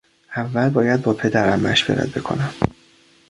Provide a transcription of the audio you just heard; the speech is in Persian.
اول باید با پدرم مشورت بکنم.